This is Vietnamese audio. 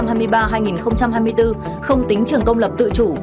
không tính trường công lập tự chủ